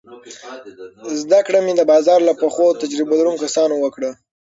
زده کړه مې د بازار له پخو او تجربه لرونکو کسانو وکړه.